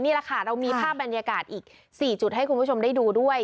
นี่แหละค่ะเรามีภาพบรรยากาศอีก๔จุดให้คุณผู้ชมได้ดูด้วย